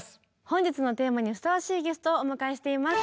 本日のテーマにふさわしいゲストをお迎えしています。